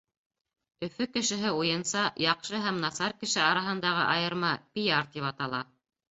Өфө кешеһе уйынса, яҡшы һәм насар кеше араһындағы айырма пиар тип атала.